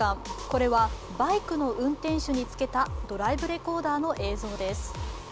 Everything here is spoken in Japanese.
これはバイクの運転手につけたドライブレコーダーの映像です。